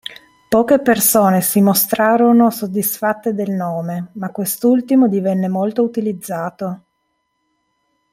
Poche persone si mostrarono soddisfatte del nome, ma quest'ultimo divenne molto utilizzato.